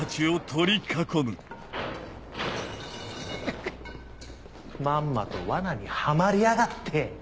フフまんまと罠にはまりやがって。